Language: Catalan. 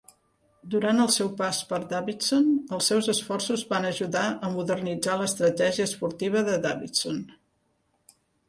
Durant el seu pas per Davidson, els seus esforços van ajudar a modernitzar l'estratègia esportiva de Davidson.